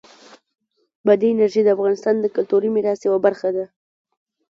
بادي انرژي د افغانستان د کلتوری میراث یوه مهمه برخه ده.